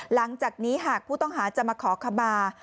หลังจากนี้หากผู้ต้องหาจะมาขอขมา